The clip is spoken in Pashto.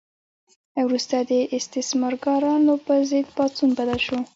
وروسته د استثمارګرانو په ضد پاڅون بدل شو.